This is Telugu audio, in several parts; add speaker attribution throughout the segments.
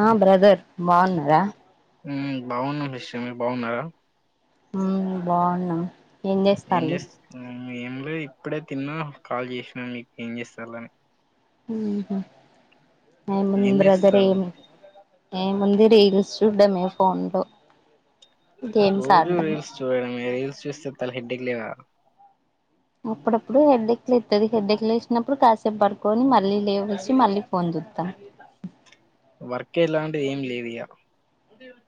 Speaker 1: ఆ బ్రదర్ బాగున్నారా
Speaker 2: హుమ్ బాగున్నం [unintelligible] మీర్ బాగున్నారా
Speaker 1: హ్మ్ బాగున్నా ఏం చేస్తాండు
Speaker 2: అ ఏం లేద్ ఇప్పుడే తిన్నా కాల్ చేసినా మీక్ ఏం చేస్తల్ అని
Speaker 1: హుం హూ ఏ ముంది
Speaker 2: ఏం
Speaker 1: బ్రదర్
Speaker 2: చేస్తాళ్ళు
Speaker 1: ఏమీ ఏ ముంది రీల్స్ చూడ్డమే ఫోన్లో
Speaker 2: రోజు రీల్స్ చూడడమే రీల్స్ చుస్తే తల హెడ్ఏక్ లేదా
Speaker 1: అప్పుడప్పుడు హెడ్డెక్లు ఎస్తది హెడ్డెక్లు వేసినప్పుడు కాస్త పడుకొని మళ్ళీ లేవేసి మళ్ళీ ఫోన్ చూస్తాం
Speaker 2: ఓ ఇలా ఏం లేలీవయా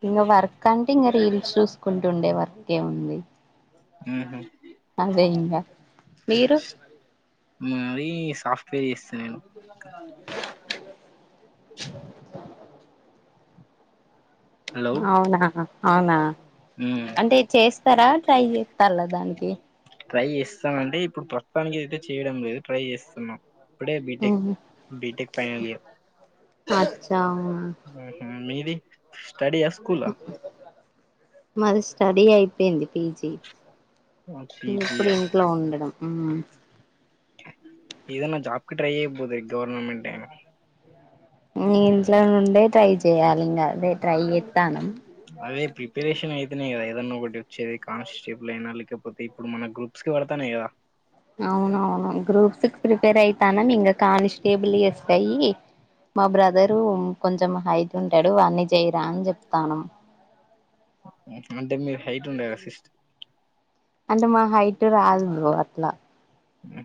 Speaker 1: ఇంగ వర్క్ అంటే ఇంగ రీల్ షూస్ కుంటు ఉండే వర్క్ ఏ ఉంది
Speaker 2: హు హుమ్
Speaker 1: మీరు
Speaker 2: మరి సాఫ్ పే ఇస్తా నేను హలో
Speaker 1: అవునా అవునా
Speaker 2: హ్మ్
Speaker 1: అంటే చేస్తారా ట్రై చేస్తాత్తలా దానికి
Speaker 2: ట్రై చేస్తాం అంటే ఇప్పుడు ప్రస్తుతానికి అయితే చేయడం లేదు ట్రై చేస్తున్నాం ఇప్పుడే బిటెక్
Speaker 1: మ్మ్
Speaker 2: బిటెక్ ఫైనల్ ఇయర్
Speaker 1: అచ్చా అవునా
Speaker 2: హూ హు మీది స్టడియా స్కూల్ ఆ
Speaker 1: మాది స్టడీ అయిపోయింది పీజీ ఇంగ్ ఇప్పుడు
Speaker 2: పీజీయా
Speaker 1: ఇంట్లో ఉండడం హూ
Speaker 2: ఏదన్న జాబ్ కి ట్రై చేయబోద్ ఆ గవర్నమెంట్ ఏం
Speaker 1: నీ ఇంట్ల నుండే ట్రై చెయాలి ఇంగ అదే ట్రై చేత్తానం
Speaker 2: అదే ప్రిపరేషన్ అయితేనే గద ఏదన్న ఒకటి వచ్చేది కాన్స్టేబుల్ అయినా లేకపోతే ఇప్పుడు మన గ్రూప్స్ కి పడతానాయి కదా
Speaker 1: అవునవును గ్రూప్ త్ క్ ప్రిపేర్ అయి తనం ఇంగ కానిస్టేబిల్ ఎస్ అయి మా బ్రదరు కొంచెం హైట్ ఉంటాడు వాన్ని చేయిరా అని చెప్తానం
Speaker 2: హు అంటే మీర్ హైట్ ఉండే రా సిస్ట
Speaker 1: అంటే మా హైట్ రాద్ బ్రో అ అట్లా.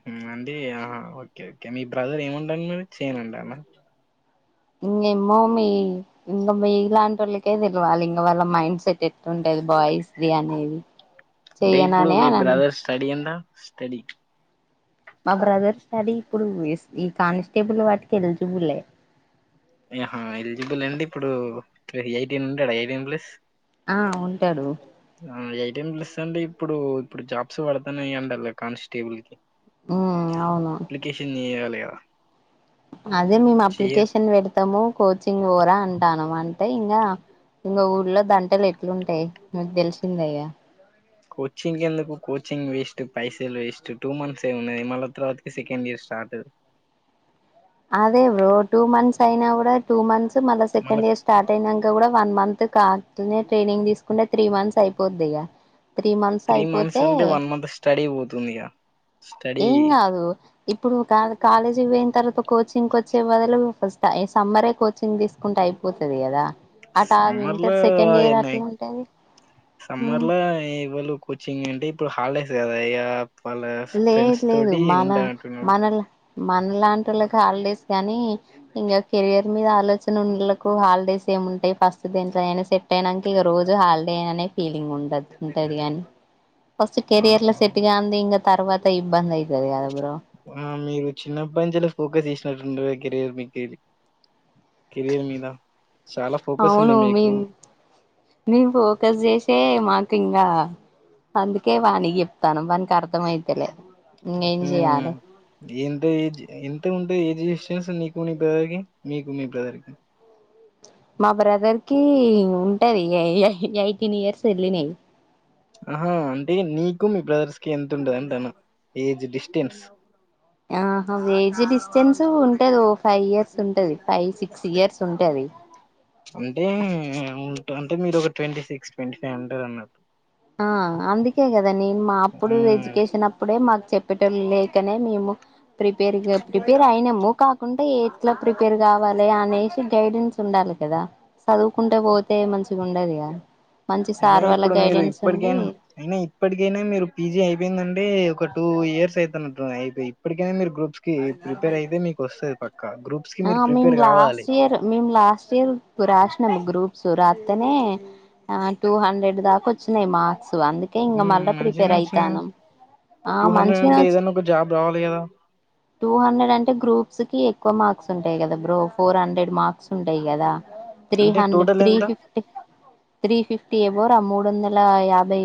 Speaker 2: ఉమ్ అండి. ఓకే ఓకే మీ బ్రదర్ ఏమంటుండు మరి చేయనంటుండా.
Speaker 1: ఇంకా ఏమో మీ ఇంకా మీలాంటి వాళ్ళకే తెలియాలి. ఇంకా వాళ్ళ మైండ్ సెట్ ఎట్. ఉంటది బాయ్స్ది అనేది
Speaker 2: అంటే ఇప్పుడు
Speaker 1: చెయనానే
Speaker 2: మీ
Speaker 1: అన్
Speaker 2: బ్రదర్ స్టడీ ఎంత స్టడీ.
Speaker 1: బ్రదర్ స్టడీ ఇప్పుడు ఈ కానిస్టేబుల్ వాటికి ఎలిజిబులే.
Speaker 2: ఆహ్ ఎలిజిబులే అండి ఇప్పుడు ఎయిటీన్ ఉంటాడా ఎయిటీన్ ప్లస్.
Speaker 1: ఆహ్ ఉంటాడు.
Speaker 2: టెన్ ప్లస్ అండి ఇప్పుడు ఇప్పుడు జాబ్స్ పడుతున్నాయండి కదా కానిస్టేబుల్ కి.
Speaker 1: ఉమ్ అవును
Speaker 2: అప్లికషన్ చేయాలి కదా.
Speaker 1: అదే మేమ్
Speaker 2: చెయ
Speaker 1: అప్లికషన్ పెడ్ త్తము కోచింగ్ పోరా అంటానం, అంటే ఇంగ ఇంగొ ఊళ్లో దంటలు ఎట్లుంటాయి, మీకు తెలిసిందే గా
Speaker 2: కోచింగ్ కి ఎందుకు కోచింగ్ వేష్ పైసలు వేస్ట్ టూ మంత్స్ ఏ ఉన్నాయి. మల్ల తర్వాతకి సెకండ్ ఇయర్ స్టార్ట్.
Speaker 1: అదే బ్రో టూ మంత్స్ అయినా కూడా. టూ మంత్స్ తాత మల్ల
Speaker 2: మళ్ళ
Speaker 1: సెకండ్ ఇయర్ స్టార్ట్ అయినాంక కూడా. వన్ మంత్ కాన్ ఇట్లే ట్రైనింగ్ తీసుకుంటే. త్రీ మంత్స్ అయిపోద్ధిగా.
Speaker 2: త్రీ మంత్స్ అంటే వన్ మంత్ స్టడీ పోతుందిగా.
Speaker 1: ఏం గాదు. ఇప్పుడు కాదు. కాలేజ్ అయిపోయిన తర్వాత కోచింగ్. కోచింగ్ వచ్చే బదులు ఫస్ట్ సమ్మరే కోచింగ్ తీసుకుంటే అయిపోతది కదా. అట
Speaker 2: సమ్మర్
Speaker 1: ఇంటర్
Speaker 2: లో
Speaker 1: సెకండ్ ఇయర్ అట్లా ఉంటది
Speaker 2: సమ్మర్
Speaker 1: హ్మ్
Speaker 2: లో ఇవాళు కోచింగ్ ఏంటి ఇప్పుడు హాలిడేస్. దయప్. వాళ్ళ
Speaker 1: లేదు
Speaker 2: ఫ్రెండ్స్
Speaker 1: లేదు
Speaker 2: తోటి ఉండనంటున్నాడు.
Speaker 1: మన లాంటి ఒళ్ళాకి హాలిడేస్ కానీ ఇంకా కెరియర్ మీద ఆలోచన ఉండలకు హాలిడేస్ ఏమింటాయి ఫస్ట్ దేంట్లోమైనా సెట్ అయనాక ఇక రోజు హాలిడే అనే ఫీలింగ్ ఉంటది ఉంటది గాని. ఫస్ట్ కెరియర్ లో
Speaker 2: ఆహా
Speaker 1: సెట్గానిది ఇంకా తర్వాత ఇబ్బంది అయితది కదా. నువ్వేరా.
Speaker 2: ఆహ్ మీరు చిన్నప్పంచి కెల్లీ ఫోకస్ చేసినట్టుండర్ కెరీయర్ మీది కెళ్ళి. ఉంది
Speaker 1: అవును మీ
Speaker 2: మీకు
Speaker 1: మీ ఫోకస్ చేసే మాకు. ఆహ్ అందుకే వానికీ చెప్తానా వానికి అర్థ అయితలేదు.
Speaker 2: హ్మ్ ఎంత ఎంత ఉండ్ ఏ ఏజ్ డిస్టెన్స్ నీకు మీ బ్రదర్ కి మీకు మీ బ్రదర్ కి
Speaker 1: మా బ్రదర్ ఫ్రెండ్స్ కి మో ట్ట ఎయి ఎయిటీన్ ఇయర్స్ ఎల్లినయ్
Speaker 2: ఆహా అంటే నీకు మీ బ్రదర్స్ కి ఎంత ఉంటది అంటున్న ఏజ్ డిస్టెన్స్
Speaker 1: ఆహా ఏజ్ డిస్టెన్స్ ఉంటది ఓ ఫైవ్ ఇయర్స్ ఉంటది. ఫైవ్ సిక్స్ ఇయర్స్ ఉంటది.
Speaker 2: అంటే అంటే మీరు ఒక ట్వంటీ సిక్స్ ట్వంటీ ఫైవ్ అంటారు అన్నట్టు
Speaker 1: ఆహ్ అందుకేగదా. రాని మా అప్పుడు
Speaker 2: మ్మ్
Speaker 1: ఎడ్యుకేషన్ అప్పుడే మాకు చెప్పటోలు లేకనే మేము. ప్రిపేర్ గా ప్రిపేర్ అయినాము కాకుంటే ఎయిత్ లా ప్రిపేర్ కావాలి అనే మంచి గైడెన్స్ ఉండాలి కదా చదువుకుంటే పోతే మంచిగా ఉండదుగా మంచి
Speaker 2: అయినా
Speaker 1: సార్ వాళ్ళ
Speaker 2: ఇప్పుడు మీరు
Speaker 1: గైడెన్స్ ఉండి
Speaker 2: ఇప్పటికైనా అయినా ఇప్పటికైనా మీరు పీజీ అయిపోయిందంటే ఒక టూ ఇయర్స్ అయిత నట్టునాయి అయిపోయి ఇప్పటికైనా మీరు గ్రూప్ గ్రూప్స్ కి
Speaker 1: ఆ
Speaker 2: మీరు
Speaker 1: మేము
Speaker 2: ప్రిపేర్ కావాలి
Speaker 1: లాస్ట్ ఇయర్ మేము లాస్ట్ ఇయర్ రాసినాము గ్రూప్స్ రాస్తానే ఆ టూ హండ్రెడ్ దాకా వచ్చినాయి మార్క్ స్ అందుకే ఇంగ
Speaker 2: మ్మ్
Speaker 1: మళ్ళీ
Speaker 2: మంచిగానే
Speaker 1: ప్రిపేర్
Speaker 2: వచ్చినాయి
Speaker 1: అయితాన ఆ
Speaker 2: టూ హండ్రెడ్
Speaker 1: మంచి గానే
Speaker 2: అంటే
Speaker 1: వచ్
Speaker 2: ఏదైనా ఒక జాబ్ రావాలి కదా
Speaker 1: టూ హండ్రెడ్ అంటే గ్రూప్ స్ కి ఎక్కువ మార్స్ ఉంటాయి కదా బ్రో ఫోర్ హండ్రెడ్ మార్క్స్ ఉంటాయి కదా త్రీ
Speaker 2: అంటే
Speaker 1: హండ్రెడ్
Speaker 2: టోటల్
Speaker 1: త్రీ
Speaker 2: ఎంత
Speaker 1: ఫిఫ్టీ త్రీ ఫిఫ్టీ అబోవ్ రోరా మూడు వందల యాభై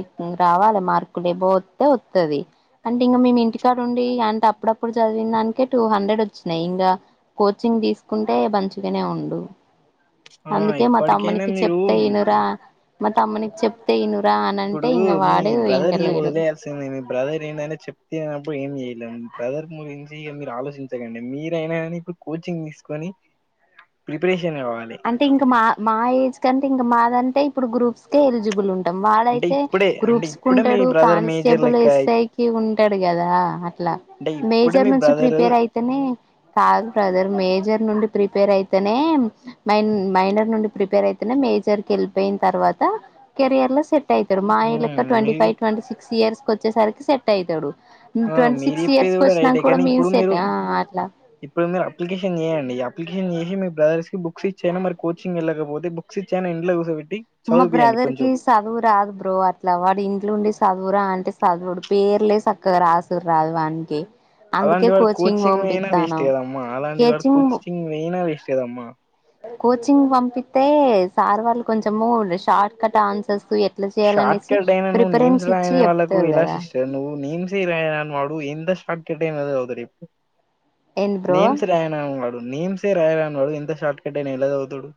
Speaker 1: రావాలి మార్కులువో వస్తే వస్తుంది అంటే ఇంకా మేము ఇంటికాడ ఉండి అంటే అప్పుడప్పుడు ఇప్పుడు చదివిన దానికే టూ హండ్రెడ్ వచ్చినాయి ఇంకా కోచింగ్ తీసుకుంటే మంచుగానే ఉండు
Speaker 2: ఆ
Speaker 1: అందుకే మా
Speaker 2: ఇప్పటికైనా
Speaker 1: తమ్మునికి
Speaker 2: మీరు
Speaker 1: చెప్తే ఈనురా మా తమ్మునికి చెప్తే ఇన్ వు
Speaker 2: ఇప్పుడు మీ బ్రదర్కి వదిలేయాల్సింది మీ బ్రదర్ ఏందైనా చెప్తే అప్ ప్పుడు ఏం చేయలే బ్రదర్ గురించి మీరు ఆలోచించకండి మీరైనా కానీ ఇప్పుడు కోచింగ్ తీసుకని ప్రిపరేషన్ కావాలి
Speaker 1: అంటే ఇంకా మా మా ఏజ్ ఎకంటే ఇంక మాదంటే ఇప్పుడు గ్రూప్స్ కి ఎలిజిబుల్ ఉంటాం
Speaker 2: అంటే
Speaker 1: వాడైతే
Speaker 2: ఇప్పుడే అంటే
Speaker 1: గ్రూప్స్ కు
Speaker 2: ఇప్పుడే మీ
Speaker 1: ఉంటాడు
Speaker 2: బ్రదర్ మేజర్
Speaker 1: కానిస్టేబుల్
Speaker 2: లెక్క
Speaker 1: ఎస్ఐ కు ఉంటాడు కదా. అట్లా
Speaker 2: అంటే ఇప్పుడు
Speaker 1: మేజర్
Speaker 2: మీ
Speaker 1: నుంచి
Speaker 2: బ్రదరు
Speaker 1: ప్రిపేర్ అయితేనే కాదు బ్రదర్ మేజర్ నుండి ప్రిపేర్ అయితనే మైన్ మైనర్ నుండి ప్రిపేర్ అయితేనే మేజర్ కి వెళ్ళిపోయిన తర్వాత కెరియర్ లో సెట్ యితారు మా
Speaker 2: మ్మ్
Speaker 1: ఇల్లేఖ ట్వంటీ
Speaker 2: మీరు
Speaker 1: ఫైవ్
Speaker 2: చెప్
Speaker 1: ట్వంటీ సిక్స్ ఇయర్స్ కొచ్చే సరకి సేట్ అయితడు
Speaker 2: ఆ మీరు చెప్పేది కూడ రైటె కనీ
Speaker 1: మేము
Speaker 2: ఇప్పుడు మీరు
Speaker 1: సెట్ ఆ అట్లా
Speaker 2: ఇప్పుడు మీరు అప్లికేషన్ చేయండి అప్లికేషన్ మీ మీ బ్రదర్స్ కి బుక్ [unintelligible] మరి కోచింగ్ ఎలాగ ఊర్నే బుక్స్ ఇచ్చి ఆన్ ఇంట్లో కూసోబెట్
Speaker 1: మా బ్రదర్ కి చదువు రాదు బ్రో అట్ల వాడు ఇంట్లో ఉండి స సదువురా అంటే సదువుడు పేర్లే చక్కగ రాసురు రాదు వంకీ
Speaker 2: అలాంటి వాడు కోచింగ్ అయినా వేస్ట్ కదమ్మా అలాంటి వాడు
Speaker 1: కేచింగ్
Speaker 2: కోచింగ్ వయినా వేస్ట్ గదమ్మా
Speaker 1: కోచింగ్ పంపిస్తతే సార్ వాళ్ళు కొంచము షార్ట్ కట్ ఆన్సర్స్ ఎట్లా
Speaker 2: షార్ట్
Speaker 1: చేయాలనేసి
Speaker 2: కట్ [unintelligible] మీమ్స్
Speaker 1: ప్రిఫరెన్స్ ఇచ్చి
Speaker 2: రాయని వాళ్ళకు
Speaker 1: చెప్తారు
Speaker 2: ఇలా
Speaker 1: కదా
Speaker 2: సిస్టర్ నువ్వు మీమ్స్ రాయ నువ్ ఎంత షార్ కట్ ఆయన చదువుతడు ఇవ్వు
Speaker 1: ఏంది బ్రో
Speaker 2: నేమ్స్ రాయణ వుంగడు నేమ్సే రాయ రానున్నాడు ఎంత షార్ట్కట్ అయిన ఎల చదువుతడు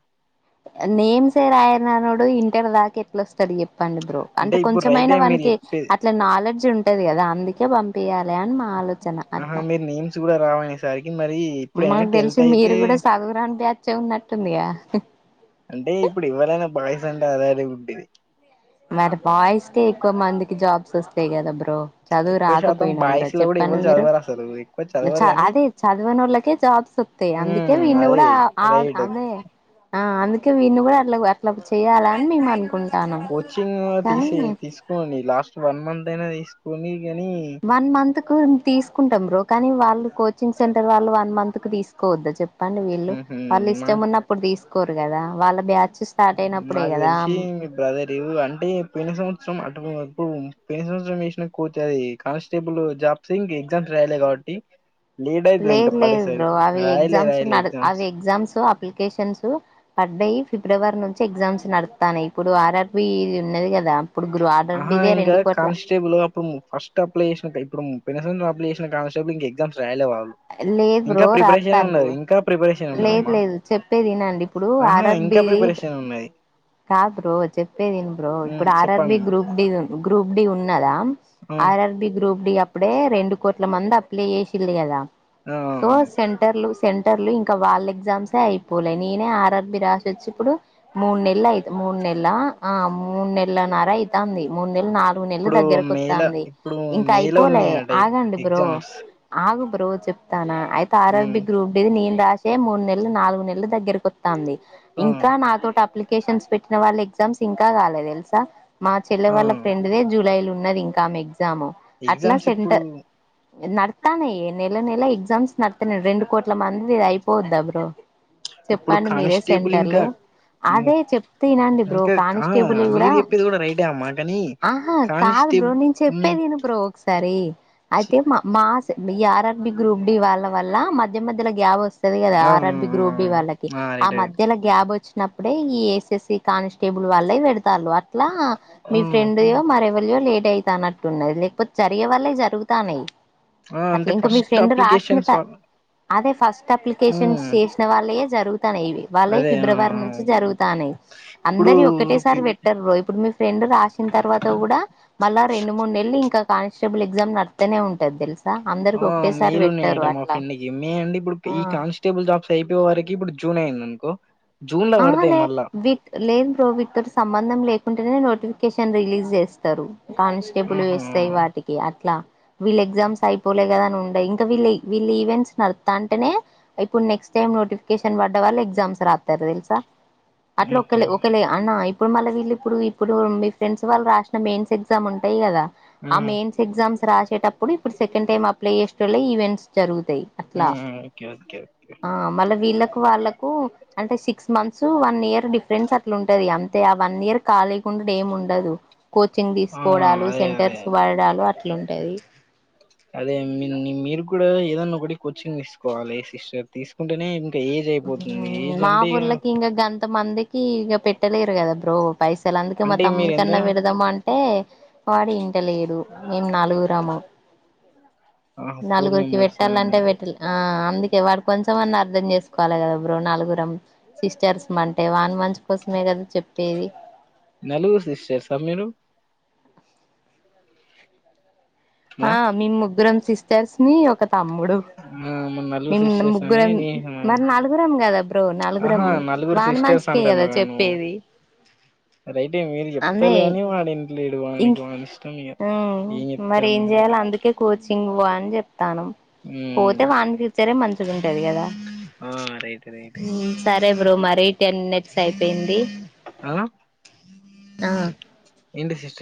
Speaker 1: నేమ్స్ ఎ రాయననోడ్ ఇంటర్ దాక ఎట్లొస్తాడ్ చెప్ చెప్పండి బ్రో అంటే
Speaker 2: ఇప్పుడు రైట్
Speaker 1: కొంచెమైనా
Speaker 2: టైం మీరు
Speaker 1: వానికి
Speaker 2: చెప్పేది
Speaker 1: అట్ల నాలెడ్జ్ ఉంటది కదా అంది చే పంపియాలి అన్ మా ఆలోచన
Speaker 2: ఆహా
Speaker 1: అట్లా
Speaker 2: మీరు నేమ్స్ కూడ రావణీ సరి
Speaker 1: మాకు తెలిసి మీరు కూడ సదువురాని బ్యాచే ఉన్నట్టుందిగ
Speaker 2: ఇంటర్ లో అలానే ఉండేది
Speaker 1: మరి బాయ్స్ కే ఎక్కువ మందికి జాబ్స్ వస్తయి కద బ్రో చదువు
Speaker 2: ఎక్కువ శాతం
Speaker 1: రాకపోయిన కూడ
Speaker 2: బాయ్స్ లో కూడా
Speaker 1: చెప్పండి
Speaker 2: ఎవరు
Speaker 1: మీరు
Speaker 2: చదవరు అసలు ఎక్కువ చదవరు
Speaker 1: చ
Speaker 2: కానీ
Speaker 1: అదే చదువనోళ్ళకే జాబ్స్ వత్తయి అందుకే
Speaker 2: ఉమ్,
Speaker 1: వీన్న
Speaker 2: అదే
Speaker 1: కూడా
Speaker 2: రైట్
Speaker 1: అదే ఆ అందూకే విన్నీ కూడ అట్ల ఇలా చేయ్యాలని మేం అనుకుంటున్నాం
Speaker 2: చింగ్ తీసి తీసుకోని లాస్ట్ వన్ మంత్ అయిన తీసుకొని కానీ
Speaker 1: వన్ మంత్ కు తీసుకుంటాం బ్రో కానీ వాళ్ళు కోచింగ్ సెంటర్ వాళ్ళు వన్ మంత్ కు తీసుకోవద్ద చెప్ చెప్పండి వీళ్ళు
Speaker 2: మ్మ్హ్మ్.
Speaker 1: వాళ్ళు
Speaker 2: నాకు
Speaker 1: ఇష్టంమున్నప్పుడు తీస్ కోరు కద వాళ్ళ బ్యా
Speaker 2: నాకు తెలిసి మీ బ్రదర్ ఇ అంటే పోయిన సంవత్సరం అటు ఇప్పుడు పోయిన సంవత్సరం ఏసిన కోచ్ అది కానిస్టేబుల్ జాబ్స్ ఇం ఎగ్జామ్స్ రాయల కాబట్టి లేట్ అవుతుంది ఇంకా
Speaker 1: లేదు లేదు
Speaker 2: పడేసరి
Speaker 1: బ్రో అవి
Speaker 2: రాయలే
Speaker 1: ఎగ్జామ్స్
Speaker 2: రాయలే ఎగ్జామ్స్
Speaker 1: అవి ఎగ్జామ్స్ అప్లికేషన్స్ పడ్డయి ఫిబ్రవరి నుంచి ఎగ్జామ్స్ నడుత్తాన్నై ఇప్పుడు ఆర్ఆర్బి ఇది ఉన్నది కదా ఇప్పుడు గ్రూ
Speaker 2: ఆహా
Speaker 1: ఆర్ఆర్బిదే
Speaker 2: ఇంకా
Speaker 1: రెండు కోట్ల
Speaker 2: కానిస్టేబుల్ అప్పుడు ఫస్ట్ అప్లయ్ చేసినట్టే ఇప్పుడు పోయిన సంవత్సరం నువ్ అప్లయ్ చేసినట్ [unintelligible]
Speaker 1: లే బ్రో రాత్తంలు
Speaker 2: ఉన్నది ఇంకా ప్రిపరేషన్
Speaker 1: లేదు
Speaker 2: ఉన్నదమ్మా
Speaker 1: లేదు చెప్పేది ఇనండి ఇప్పుడు
Speaker 2: ఆహా ఇంకా
Speaker 1: ఆర్ఆర్బి
Speaker 2: ప్రిపరేషన్ ఉన్నది
Speaker 1: కాదు బ్రో చెప్పేది విను బ్రో
Speaker 2: ఉమ్,
Speaker 1: ఇప్పుడు ఆర్ఆర్బి
Speaker 2: చెప్పండి
Speaker 1: గ్రూప్ డి గ్రూప్ డి ఉం కదా
Speaker 2: ఆ
Speaker 1: ఆర్ఆర్బి గ్రూప్ డి అప్ ఇప్పుడే రెండు కోట్ల మంది అప్లై చేసింది కద
Speaker 2: ఆ
Speaker 1: సో సెంటర్లు సెంటర్లు ఇంక వాళ్ళ ఎగ్జామ్స్ అయిపోలే నేనే ఆరర్బి రాసి వచ్చి ఇప్పుడు మూడు నెల అయి మూడు నెల ఆ మూడు నెలన్నర ఐతంది మూడు నెలల్ నాలుగు నువ్నెల్లు
Speaker 2: ఇప్పుడు మేల
Speaker 1: దగ్గరకొతాంది
Speaker 2: ఇప్పుడు
Speaker 1: ఇంకా
Speaker 2: మేల
Speaker 1: అయిపోలే
Speaker 2: ఉన్నాయట
Speaker 1: ఆగండి బ్రో
Speaker 2: ఎగ్జామ్స్
Speaker 1: ఆగు రోజ్ చెప్ తన అయితే ఆర్ ఆర్ బి గ్రూప్ డిది నేను సేమ్ మూడ్ నెల్లు నాలుగు నెల్లు దగ్గరకొత్తాంది.
Speaker 2: ఆ
Speaker 1: ఇంకా నాతోట్ అప్లికేషన్స్ పెట్ [unintelligible] ఎగ్జామ్స్ ఇంకా రాలే తెల్సా మా చెల్ల
Speaker 2: ఆ
Speaker 1: వాళ్ళ ఫ్రెండ్దే జులైలు ఉన్నది ఇంకా ఎగ్ గ్జాము అట్ల
Speaker 2: ఎగ్జామ్స్ ఇప్పుడు
Speaker 1: సెంటర్ నడుత్తనయే నెల నెల ఎగ్జామ్స్ నడ్ రెండు కోట్ల మంది అయి పోద్ద బ్రో
Speaker 2: ఇప్పుడు
Speaker 1: చెప్పండి మీరే
Speaker 2: కానిస్టేబుల్ ఇంకా
Speaker 1: సెంటర్లు
Speaker 2: అమ్మో,
Speaker 1: అదే చెప్తే ఇనండి బ్రో
Speaker 2: ఇంకా ఆ
Speaker 1: కానిస్టేబులీ గుడా
Speaker 2: మీరు చెప్పేది కూడా రైటే అమ్మా కానీ
Speaker 1: ఆహా కాదు బ్రో
Speaker 2: కానిస్టేబు
Speaker 1: నేన్ చెప్పేది ఇను బ్రో ఒకసారి అయితే మా మా బి ఆర్ఆర్బి గ్రూప్ డి వాళ్ళ వల్ల మధ్య మధ్యల గ్యాప్ వస్ స్తది కదా
Speaker 2: ఆ
Speaker 1: ఆర్ఆర్బి గ్రూప్ బి వాళ్ళకి ఆ
Speaker 2: రైట్ రైట్
Speaker 1: మధ్యల గ్యాబ్ వచ్ న్నప్పుడే ఈ ఎస్ ఎస్ సి కానిస్టేబుల్ వాళ్ళయి పెడ్ తాన్లు. అట్లా మీ ఫ్రెండ్య మరెవర గా లేట్ అయితానట్టున్నయి లేక్పోతే జరిగే వాళ్లే జరుగుతాన్నయి.
Speaker 2: ఆ అంటే ఫస్టఫ్ ఎడ్యుకేషన్స్
Speaker 1: త అదే ఫస్ట్ అప్లికేషన్స్ చేసిన వాళ్ళే జరుగురి ఇ వాళ్ళవి
Speaker 2: అదే ఆ
Speaker 1: ఫిబ్రవరి నుంచి జరుగుతానయి,
Speaker 2: ఇప్పుడు
Speaker 1: అందరి
Speaker 2: పి-
Speaker 1: ఒకటేసారి పెట్టరు ఇప్పుడు మీ ఫ్రెండ్ రాసిన తర్వాత కూడా, మళ్ళా రెండు మూడు నెలలు ఇంకా కానిస్టబల్ ఎగ్జామ్ నడుతనే ఉంటుది తెలుసు అందరికి
Speaker 2: ఆ మేలు
Speaker 1: పెట్టారు
Speaker 2: ఉన్నాయట మా
Speaker 1: అట్లా
Speaker 2: ఫ్రెం కి మే అండి ఇప్పుడు ఈ
Speaker 1: ఆ
Speaker 2: కానిస్టేబుల్ జాబ్స్ అయిపోయ వారికి ఇప్పుడు జూన్ అయి్యంది అన్కో
Speaker 1: ఆ లే విట్ లేన్ బ్రో వీట్ సంబంధం లేకుంటనే నోటిఫికేషన్ రిలీజ్ చేస్తరు. కానిస్టేబుల్
Speaker 2: ఆహా
Speaker 1: ఏస్తాయి వాటికి అట్లా వీళ్ళ ఎ్జమ్స్ అయిపోలే కదాని ఉ ఇంకా వీళ్ళ వీళ్ళ ఈవెంట్స్ నడస్తా అంటేనే ఇప్పుడు నెక్స్ట్ టైమ్ నోటిఫికేషన్ పడ్డ వాళ్ళ ఎగ్జామ్స్ రా తెరదల్సా అట్లా ఒక
Speaker 2: ఆహా
Speaker 1: ఒకేలే అన్నా ఇప్పుడు మళ్ళీళ్ళ ఇప్పుడు ఇప్పుడు మీ ఫ్రెండ్స్ వాళు రాసిన మెయిన్స్ ఎ్మ్ ఉంటాయి కదా ఆ
Speaker 2: ఉమ్
Speaker 1: మెన్స్ ఎగ్జామ్స్ రా వేటప్పు సెండ్ అలై చేసేటళ్ ఈవెంట్స్ జరుగుంది అట్లా
Speaker 2: ఉమ్ ఓకే ఓకే ఓకే
Speaker 1: ఆ మల వీళ్ళలకు వాళ్ళలకు అంటే six months one year difference అట్లాంటది అంతే ఆ వన్ ఇయర్ కాలీకుండా ఏమి ఉండదు కోచింగ్
Speaker 2: ఆ
Speaker 1: తీసుకోవడాలు
Speaker 2: అదే అదే
Speaker 1: సెంటర్స్ వాడలు అట్లాంటుది
Speaker 2: అదే నిమ్ మీరు కూడా ఏదన్నా ఒకటి కోచింగ్ తీసుకోవాలి సిస్టర్ తీసుకుంటేనే ఇంకా ఏజ్ అయిపోతుంది
Speaker 1: మ్
Speaker 2: ఏజ్ అంటే ఇగ
Speaker 1: మాపుూర్లకి ఇకా గం కొంత మందికి ఇక పెట్టలేరు కదా బ్రో పైసలు అందుకే మా
Speaker 2: అంటే మీరు
Speaker 1: తమ్ముని
Speaker 2: ఎంత
Speaker 1: కన్నా విడదాం అంటే వాడి తెలిడు మేం నాలుగురాము
Speaker 2: ఫోర్
Speaker 1: నలుగురికి
Speaker 2: మెంబర్స్
Speaker 1: పెట్టాలంటే
Speaker 2: అన్నారు,
Speaker 1: పెట్టాల ఆ అందుకే వాడు కొంచెం అని అర్థం చేస్ కలి కదా బ్రో నలుగురం సిస్టర్స్ అంటే వాని మంచి కోసమే కదా చెప్పేది
Speaker 2: నలుగురు సిస్టర్సా మీరు
Speaker 1: ఆ మేం ముగ్గురం సిస్టర్స్ మీ ఒక తమ్ముడు
Speaker 2: ఆ, మన నలుగురు
Speaker 1: మ
Speaker 2: సిస్టర్స్ అని
Speaker 1: ముగ్గురం
Speaker 2: నే
Speaker 1: మరి నలుగురం కదా బ్రో నలుగురం
Speaker 2: ఆహా నలుగురు
Speaker 1: వాన మంచి
Speaker 2: సిస్టర్స్
Speaker 1: కే
Speaker 2: అంటాను
Speaker 1: కదా
Speaker 2: నేను
Speaker 1: చెప్పేది
Speaker 2: రైటే మీరు
Speaker 1: అన్ని
Speaker 2: చెప్తారు కాని వాడు ఇంటలేడు వానికి వాని ఇష్టం ఇగ ఎం చెప్
Speaker 1: ఏం చేయాలి అందుకే కోచ్ సింగువని చెప్ప తానా
Speaker 2: ఉమ్
Speaker 1: పోతే వాని ఫచరే మంచిదింటది కదా
Speaker 2: ఆ రైట్ రైట్
Speaker 1: సరే బ్రో మరి టెన్ మినిట్స్ అయిపోయింది
Speaker 2: ఆ
Speaker 1: ఆ
Speaker 2: ఎంటిద్ సిస్టర్